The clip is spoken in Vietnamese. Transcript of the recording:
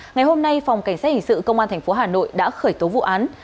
ngày hôm nay phòng cảnh sát hình sự công an tp hà nội đã khởi tố vụ án